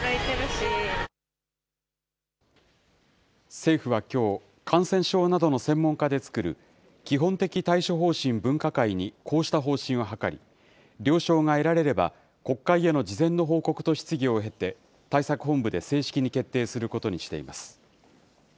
政府はきょう、感染症などの専門家で作る基本的対処方針分科会にこうした方針を諮り、了承が得られれば、国会への事前の報告と質疑を経て、対策本部で正式に決定することにしています。